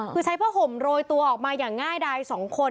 คือใช้ผ้าห่มโรยตัวออกมาอย่างง่ายดาย๒คน